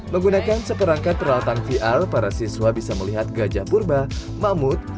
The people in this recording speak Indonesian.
menggunakan seperangkat peralatan vr para siswa bisa melihat gajah purba mamut